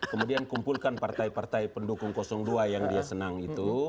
kemudian kumpulkan partai partai pendukung dua yang dia senang itu